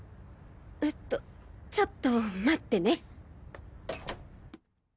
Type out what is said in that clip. えっとちょっと待ってね。